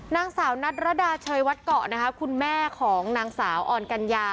นางสาวนัทรดาเชยวัดเกาะนะคะคุณแม่ของนางสาวอ่อนกัญญา